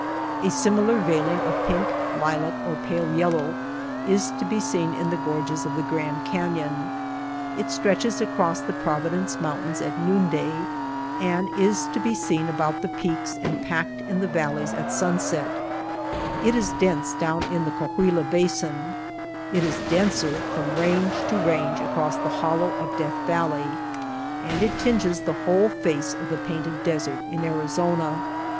A similar veiling of pink, lilac, or pale yellow is to be seen in the gorges of the Grand Canyon ; it stretches across the Providence Mountains at noonday and is to be seen about the peaks and packed in the valleys at sunset; it is dense down in the Coahuila Basin ; it is denser from range to range across the hollow of Death Valley ; and it tinges the whole face of the Painted Desert in Arizona.